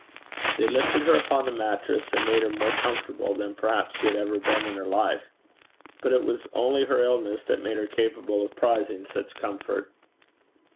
They lifted her upon the mattress, and made her more comfortable than perhaps she had ever been in her life. But it was only her illness that made her capable of prizing such comfort.